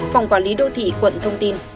phòng quản lý đô thị quận thông tin